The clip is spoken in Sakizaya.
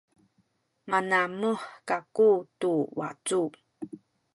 manamuh kaku tu wacu